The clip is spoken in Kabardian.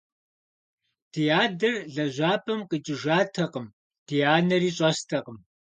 Ди адэр лэжьапӀэм къикӀыжатэкъым, ди анэри щӀэстэкъым.